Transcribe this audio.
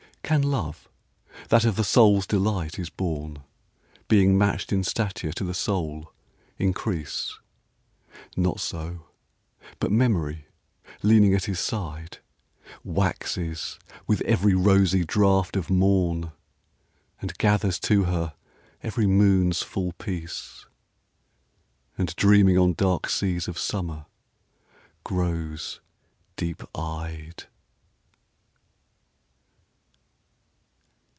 Can Love, that of the soul's delight is born, Being matched in stature to the soul, increase? Not so: but Memory, leaning at his side, Waxes with every rosy draught of morn, And gathers to her every moon's full peace, And dreaming on dark seas of Summer, grows deep eyed.